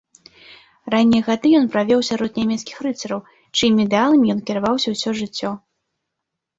Раннія гады ён правёў сярод нямецкіх рыцараў, чыімі ідэаламі ён кіраваўся ўсё жыццё.